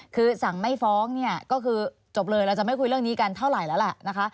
คือสั่งไม่ฟ้องเนี่ยก็คือจบเลยเราจะไม่คุยเรื่องนี้กันเท่าไหร่แล้วล่ะนะคะ